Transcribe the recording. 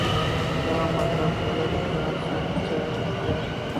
کہ مطلب غلط نہ سمجھا جائے۔